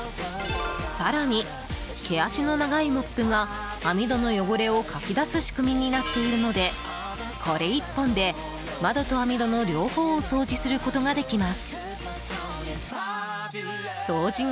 更に、毛足の長いモップが網戸の汚れをかき出す仕組みになっているのでこれ１本で窓と網戸の両方を掃除することができます。